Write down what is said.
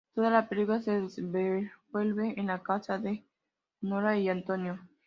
Toda la película se desenvuelve en la casa de Nora y Antonio.